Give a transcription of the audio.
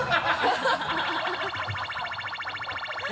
ハハハ